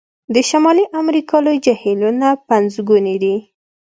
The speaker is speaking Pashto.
د شمالي امریکا لوی جهیلونه پنځګوني دي.